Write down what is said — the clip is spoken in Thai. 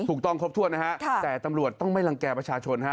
ครบถ้วนนะฮะแต่ตำรวจต้องไม่รังแก่ประชาชนฮะ